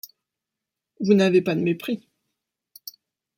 Vous n’avez pas de mépris.